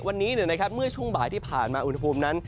วันนี้เนี่ยครับเมื่อช่วงบที่ผ่านมาอุณหภูมินั้น